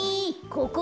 ここ！